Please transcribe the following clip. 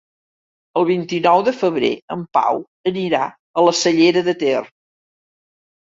El vint-i-nou de febrer en Pau anirà a la Cellera de Ter.